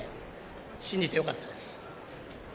信じてよかったです。